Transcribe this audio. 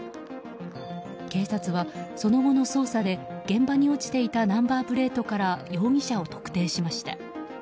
警察はその後の捜査で現場に落ちていたナンバープレートから容疑者を特定しました。